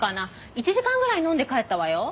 １時間ぐらい飲んで帰ったわよ。